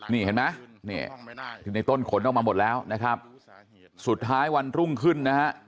นี่เห็นไหมนี่คือในต้นขนออกมาหมดแล้วนะครับสุดท้ายวันรุ่งขึ้นนะฮะ